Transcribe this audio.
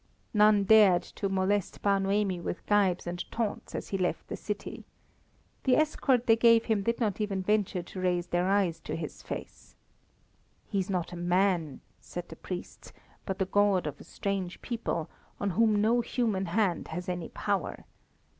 None dared to molest Bar Noemi with gibes and taunts as he left the city. The escort they gave him did not even venture to raise their eyes to his face. "He is not a man," said the priests, "but the god of a strange people, on whom no human hand has any power.